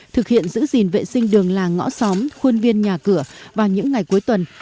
thực hiện giữ gìn vệ sinh đường làng ngõ xóm khuôn viên nhà cửa vào những ngày cuối tuần